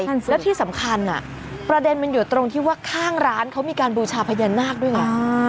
แล้วที่สำคัญประเด็นมันอยู่ตรงที่ว่าข้างร้านเขามีการบูชาพญานาคด้วยไง